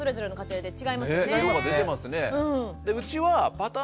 色が出てますね。